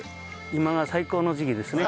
今が最高の時期ですね。